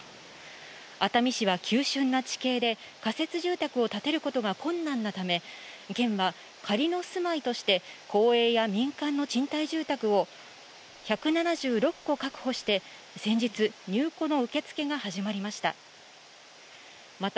熱海市は急しゅんな地形で、仮設住宅を建てることが困難なため、県は仮の住まいとして公営や民間の賃貸住宅を１７６戸確保して、先日、入居の受け付けが始まりました。